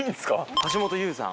橋本裕さん。